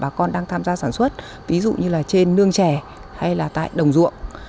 bà con đang tham gia sản xuất ví dụ như là trên nương chè hay là tại đồng ruộng